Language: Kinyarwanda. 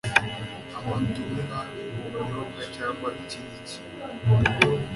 amatunda ubunyobwa cyangwa ikindi kintu